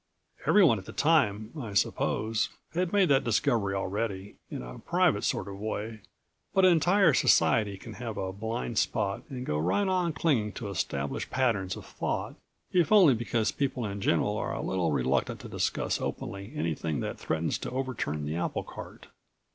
Everyone at the time, I suppose, had made that discovery already, in a private sort of way, but an entire society can have a blind spot and go right on clinging to established patterns of thought, if only because people in general are a little reluctant to discuss openly anything that threatens to overturn the apple cart.